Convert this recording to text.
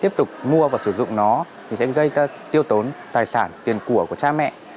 mua và sử dụng nó thì sẽ gây tiêu tốn tài sản tiền của của cha mẹ